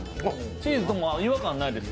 チーズとも違和感ないです。